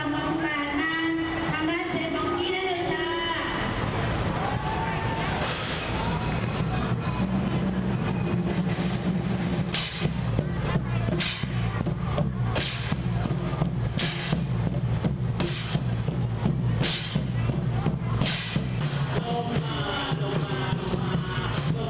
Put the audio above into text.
สำรวจการท่านทำร่างเจ็บของที่ได้เลยจ้า